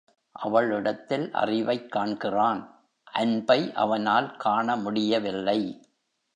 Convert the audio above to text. அவள் இடத்தில் அறிவைக் காண்கிறான் அன்பை அவனால் காண முடியவில்லை.